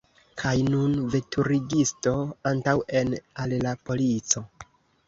Kaj nun, veturigisto, antaŭen, al la polico!